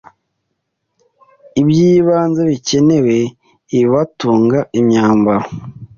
ibyibanze bikenewe: ibibatunga, imyambaro,